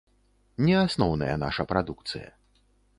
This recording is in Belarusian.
Не асноўная наша прадукцыя.